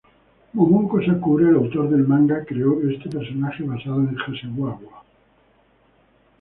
Momoko Sakura, el autor del manga, creó este personaje basado en Hasegawa.